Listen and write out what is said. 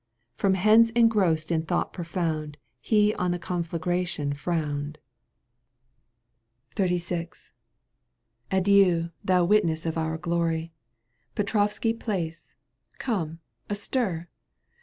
From hence engrossed in thought profound He on the conflagration frowned. ^*. XXXVI. Adieu, thou witness of our glory, Petrovski Palace ; come, astir